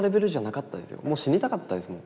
もう死にたかったですもん。